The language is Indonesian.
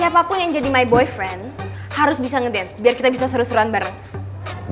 siapapun yang jadi my boyfriend harus bisa ngedance biar kita bisa seru seruan bareng